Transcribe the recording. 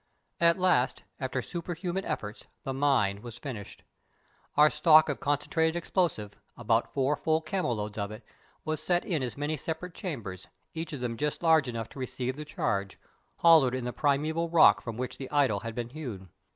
At last, after superhuman efforts, the mine was finished. Our stock of concentrated explosive, about four full camel loads of it, was set in as many separate chambers, each of them just large enough to receive the charge, hollowed in the primæval rock from which the idol had been hewn.